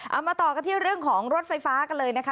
เอามาต่อกันที่เรื่องของรถไฟฟ้ากันเลยนะคะ